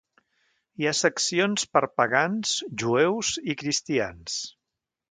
Hi ha seccions per pagans, jueus i cristians.